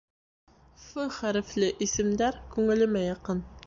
Ф хәрефле исемдәр күңелемә яҡын.